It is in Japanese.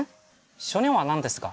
小人は何ですか？